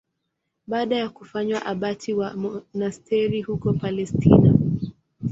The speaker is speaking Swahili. Baada ya kufanywa abati wa monasteri huko Palestina.